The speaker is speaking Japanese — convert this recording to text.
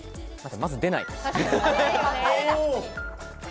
まず出ない。